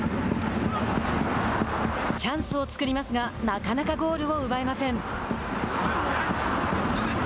チャンスを作りますがなかなかゴールを奪えません。